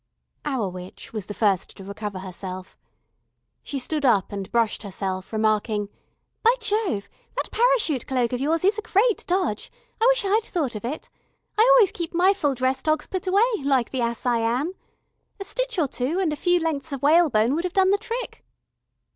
Our witch was the first to recover herself. She stood up and brushed herself, remarking: "By jove, that parachute cloak of yours is a great dodge. I wish I'd thought of it. I always keep my full dress togs put away, like the ass that I am. A stitch or two, and a few lengths of whalebone would have done the trick."